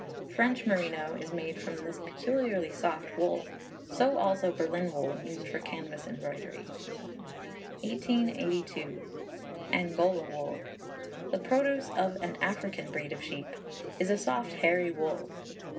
French Merino is made from this peculiarily soft wool; so also Berlin wool, used for canvas embroidery. 1882. Angola Wool. The produce of an African breed of sheep; is a soft hairy wool.